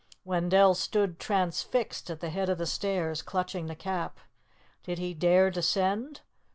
Wendell stood transfixed at the head of the stairs, clutching the Cap. Did he dare descend?